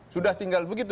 sudah tinggal begitu